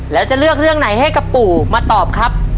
แล้วจะเลือกเรื่องไหนให้กับปู่มาตอบครับ